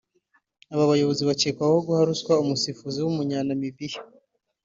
Aba bayobozi bakekwaho guha ruswa umusifuzi w’Umunya-Namibia